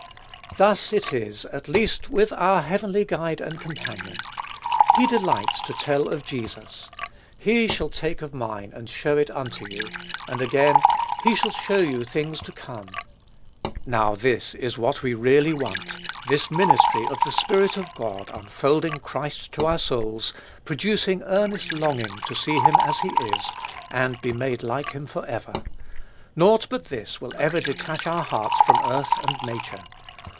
Thus it is, at least with our heavenly guide and companion. He delights to tell of Jesus, "He shall take of mine and show it unto you;" and again, "he shall show you things to come." Now, this is what we really want, this ministry of the Spirit of God, unfolding Christ to our souls, producing earnest longing to see him as he is, and be made like him forever. Naught but this will ever detach our hearts from earth and nature.